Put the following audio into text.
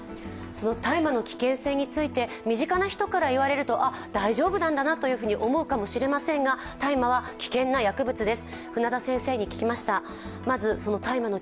大麻の危険性について、身近な人から言われると大丈夫なのかなと思うかもしれませんが、大麻は危険な薬物です。